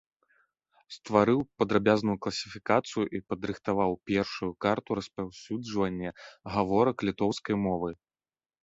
Стварыў падрабязную класіфікацыю і падрыхтаваў першую карту распаўсюджвання гаворак літоўскай мовы.